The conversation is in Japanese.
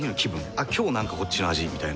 「あっ今日なんかこっちの味」みたいな。